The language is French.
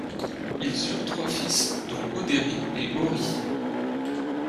Ils eurent trois fils dont Hoderi et Hoori.